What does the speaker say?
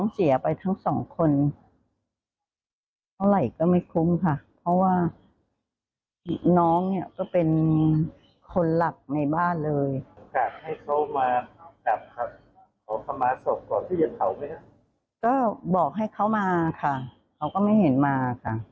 ใช่ค่ะเขาก็ไม่เห็นมาค่ะ